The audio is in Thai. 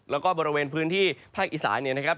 แล้วก็บริเวณพื้นที่ภาคอีสานเนี่ยนะครับ